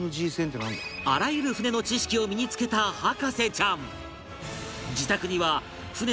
あらゆる船の知識を身につけた博士ちゃん